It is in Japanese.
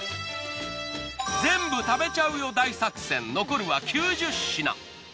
全部食べちゃうよ大作戦残るは９０品。